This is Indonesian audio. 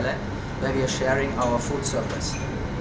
dan kami berbagi perusahaan makanan kami